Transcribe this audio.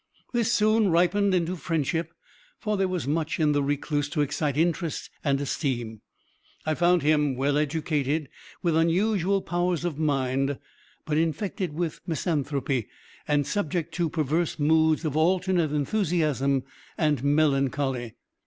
This soon ripened into friendship for there was much in the recluse to excite interest and esteem. I found him well educated, with unusual powers of mind, but infected with misanthropy, and subject to perverse moods of alternate enthusiasm and melancholy.